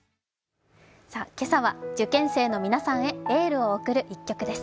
今朝は受験生の皆さんへエールを送る１曲です。